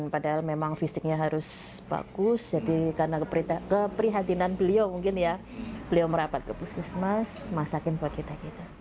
padahal memang fisiknya harus bagus jadi karena keprihatinan beliau mungkin ya beliau merapat ke puskesmas masakin buat kita kita